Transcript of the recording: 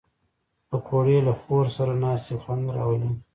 پکورې له خور سره ناستې خوند راولي